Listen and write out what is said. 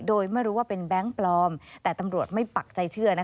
โดยไม่รู้ว่าเป็นแบงค์ปลอมแต่ตำรวจไม่ปักใจเชื่อ